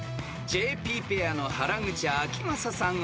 ［ＪＰペアの原口あきまささん